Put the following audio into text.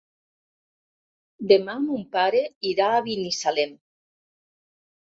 Demà mon pare irà a Binissalem.